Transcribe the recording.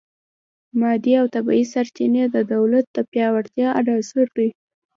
مادي او طبیعي سرچینې د دولت د پیاوړتیا عناصر دي